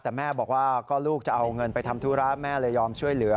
แต่แม่บอกว่าก็ลูกจะเอาเงินไปทำธุระแม่เลยยอมช่วยเหลือ